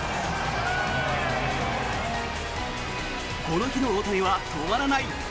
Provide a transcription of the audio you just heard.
この日の大谷は止まらない。